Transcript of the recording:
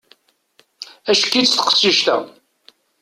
Ack-itt taqcict-a.